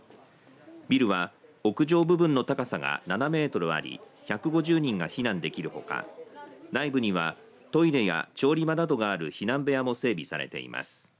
ビルは屋上部分の高さが７メートルあり１５０人が避難できるほか内部にはトイレや調理場などがある避難部屋も整備されています。